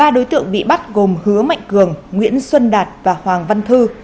ba đối tượng bị bắt gồm hứa mạnh cường nguyễn xuân đạt và hoàng văn thư